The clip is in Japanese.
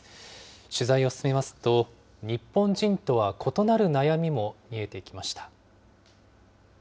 取材を進めますと、日本人とは異なる悩みも見えてきました。